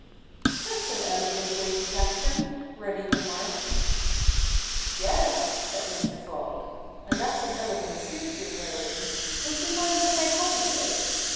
"That's an elegant way to catch 'em," Reddy remarked. "Yes," said Mr. Frog; "and that's an elegant suit you're wearing. Would you mind if I copied it?